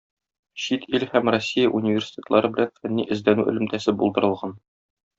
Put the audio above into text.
Чит ил һәм Россия университетлары белән фәнни-эзләнү элемтәсе булдырылган.